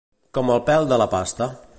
Com el pèl de la pasta.